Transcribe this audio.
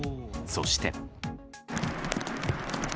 そして。